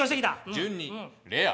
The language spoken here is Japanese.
順にレア。